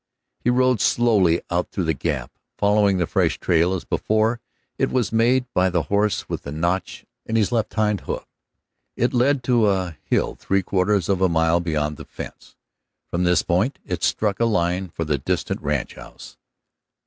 He rode slowly out through the gap, following the fresh trail. As before, it was made by the horse with the notch in its left hind hoof. It led to a hill three quarters of a mile beyond the fence. From this point it struck a line for the distant ranchhouse.